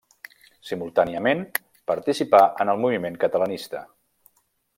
Simultàniament participà en el moviment catalanista.